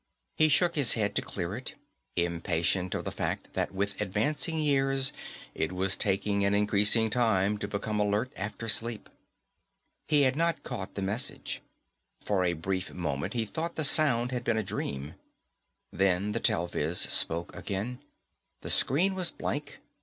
He shook his head to clear it, impatient of the fact that with advancing years it was taking an increasing time to become alert after sleep. He had not caught the message. For a brief moment he thought the sound had been a dream. Then the telviz spoke again. The screen was blank.